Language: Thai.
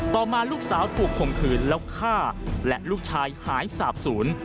ต่อมาลูกสาวถูกข่มขืนแล้วฆ่าและลูกชายหายสาบศูนย์